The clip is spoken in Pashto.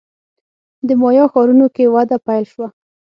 د مایا ښارونو کې وده پیل شوه.